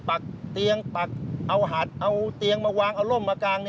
ปักเตียงปักเอาหัดเอาเตียงมาวางเอาร่มมากาง